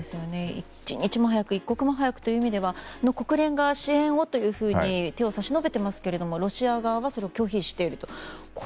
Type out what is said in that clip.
一日も早く一刻も早くという意味では国連が支援をというふうに手を差し伸べていますけれどもロシア側はそれを拒否していると。